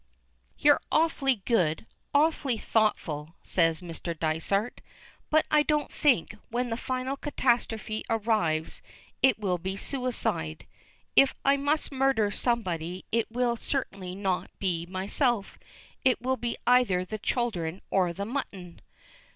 "You're awfully good, awfully thoughtful," says Mr. Dysart, "but I don't think, when the final catastrophe arrives, it will be suicide. If I must murder somebody, it will certainly not be myself; it will be either the children or the mutton."